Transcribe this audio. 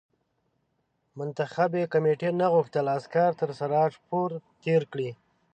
منتخبي کمېټې نه غوښتل عسکر تر سراج پور تېر کړي.